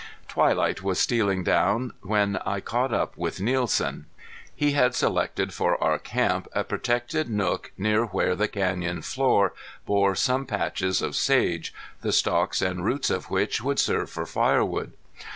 Twilight was stealing down when I caught up with Nielsen. He had selected for our camp a protected nook near where the canyon floor bore some patches of sage, the stalks and roots of which would serve for firewood.